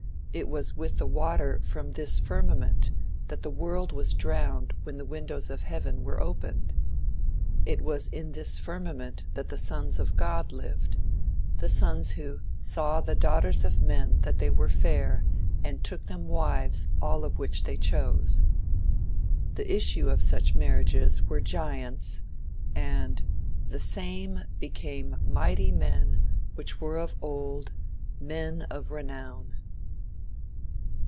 It was with the water from this firmament that the world was drowned when the windows of heaven were opened. It was in this firmament that the sons of God lived the sons who "saw the daughters of men that they were fair and took them wives of all which they chose." The issue of such marriages were giants, and "the same became mighty men which were of old, men of renown."